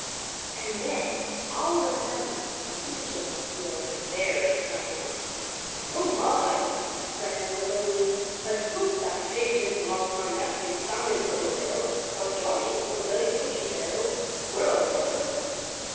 And then, all of a sudden, he began to feel very funny. "Oh, my!" exclaimed Uncle Wiggily. "I hope that cake didn't belong to my nephew, Sammie Littletail, or Johnnie or Billie Bushytail, the squirrel brothers.